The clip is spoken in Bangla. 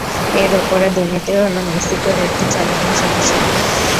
এর ওপরে, দুর্নীতি হল মেক্সিকোর একটি চলমান সমস্যা।